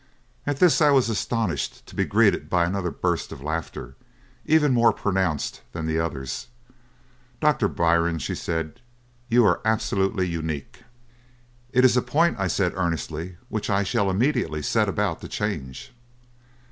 "At this I was astonished to be greeted by another burst of laughter, even more pronounced than the others. "'Doctor Byrne,' she said, 'you are absolutely unique.' "'It is a point,' I said earnestly, 'which I shall immediately set about to change.'